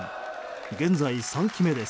現在、３期目です。